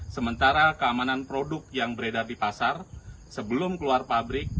sementara keamanan produk yang beredar di pasar sebelum keluar pabrik